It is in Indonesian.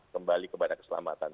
kembali kepada keselamatan